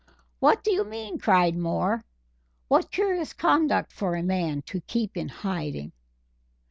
"What do you mean?" cried Moore. "What curious conduct for a man to keep in hiding!"